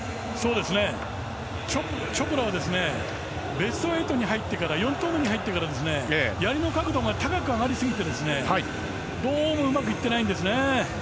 チョプラはベスト８に入ってから４投目に入ってからやりの角度が高く上がりすぎてどうもうまくいってないんですね。